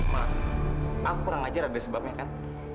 mah aku kurang ajar ada sebabnya kan